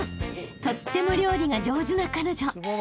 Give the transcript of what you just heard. とっても料理が上手な彼女］